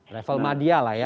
revelmadial lah ya